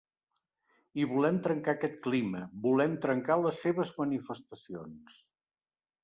I volem trencar aquest clima, volem trencar les seves manifestacions.